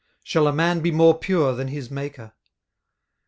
shall a man be more pure than his maker?